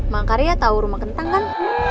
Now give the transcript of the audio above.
mangkaria tau rumah kentang kan